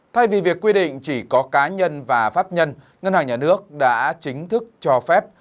thay vì việc quy định chỉ có cá nhân và pháp nhân ngân hàng nhà nước đã chính thức cho phép